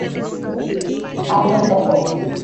Alienda kwake